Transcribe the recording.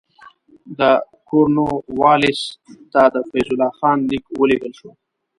د کورنوالیس ته د فیض الله خان لیک ولېږل شو.